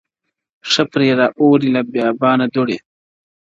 o ښه پرې را اوري له بــــيابــــانـــه دوړي.